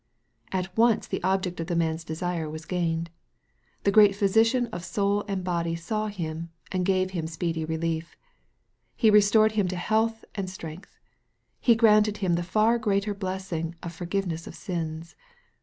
At once the object of the man's desire was gained. The great Physician of soul and body saw hioi, and gave him speedy relief. He restored him to health and strength. He granted him the far greater blessing of forgiveness of sins.